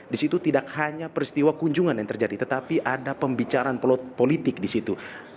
di situ tidak hanya peristiwa kunjungan yang terjadi tetapi ada pembicaraan politik di situ